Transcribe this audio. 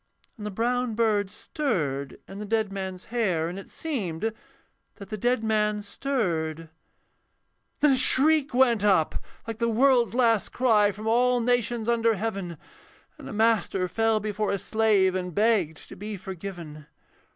And the brown bird stirred in the dead man's hair, And it seemed that the dead man stirred. Then a shriek went up like the world's last cry From all nations under heaven, And a master fell before a slave And begged to be forgiven.